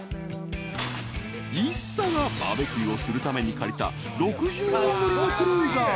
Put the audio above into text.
［ＩＳＳＡがバーベキューをするために借りた６０人乗りのクルーザー］